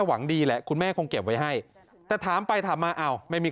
หวังดีแหละคุณแม่คงเก็บไว้ให้แต่ถามไปถามมาอ้าวไม่มี